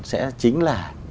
sẽ chính là